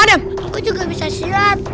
aku juga bisa siap